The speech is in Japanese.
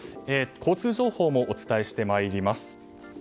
交通情報もお伝えしてまいります。